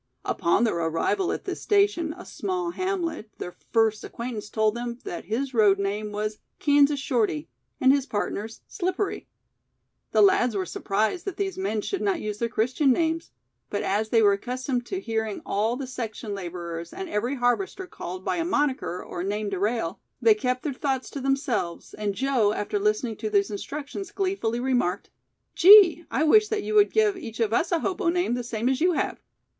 Upon their arrival at this station, a small hamlet, their first acquaintance told them that his road name was "Kansas Shorty" and his partner's "Slippery". The lads were surprised that these men should not use their Christian names, but as they were accustomed to hearing all the section laborers and every harvester called by a "monicker" or "name de rail", they kept their thoughts to themselves, and Joe, after listening to these instructions gleefully remarked: "Gee, I wish that you would give each of us a hobo name the same as you have."